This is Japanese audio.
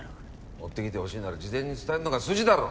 持ってきてほしいなら事前に伝えるのが筋だろ。